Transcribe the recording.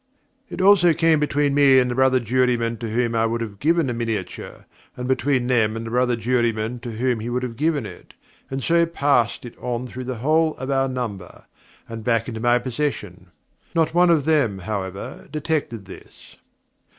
It also came between me and the brother juryman to whom I would have given the miniature, and between him and the brother juryman to whom he would have given it, and so passed it on through the whole of our number, and back into my possession. Not one of them, however, detected this.